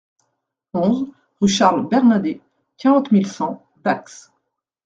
onze rue Charles Bernadet, quarante mille cent Dax